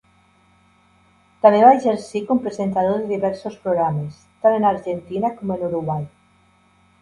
També va exercir com presentador de diversos programes, tant en Argentina com en Uruguai.